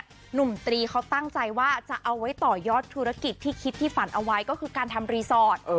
หนุ่มตรีเขาตั้งใจว่าจะเอาไว้ต่อยอดธุรกิจที่คิดที่ฝันเอาไว้ก็คือการทำรีสอร์ท